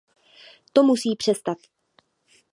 To musí přestat!